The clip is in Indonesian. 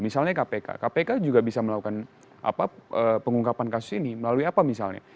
misalnya kpk kpk juga bisa melakukan pengungkapan kasus ini melalui apa misalnya